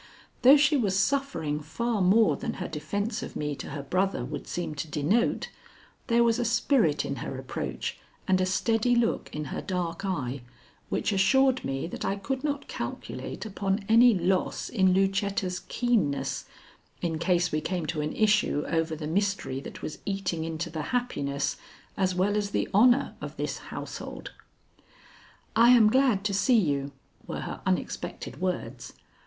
Though she was suffering far more than her defence of me to her brother would seem to denote, there was a spirit in her approach and a steady look in her dark eye which assured me that I could not calculate upon any loss in Lucetta's keenness, in case we came to an issue over the mystery that was eating into the happiness as well as the honor of this household. "I am glad to see you," were her unexpected words.